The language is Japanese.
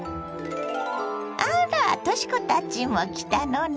あらとし子たちも来たのね。